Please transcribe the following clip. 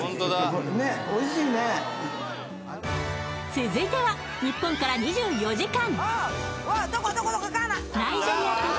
続いては日本から２４時間。